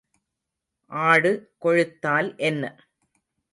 ஆடு கொழுத்தால் என்ன?